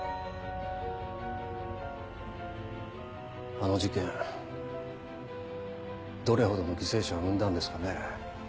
あの事件どれほどの犠牲者を生んだんですかね？